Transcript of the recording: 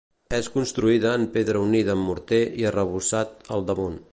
És construïda en pedra unida amb morter i arrebossat al damunt.